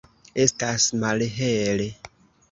Estas malhele.